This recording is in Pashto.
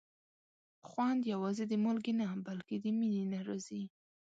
خوند یوازې د مالګې نه، بلکې د مینې نه راځي.